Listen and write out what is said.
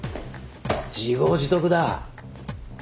自業自得だ。